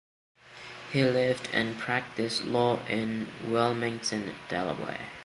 He lived and practiced law in Wilmington, Delaware.